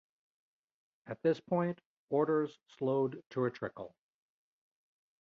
At this point orders slowed to a trickle.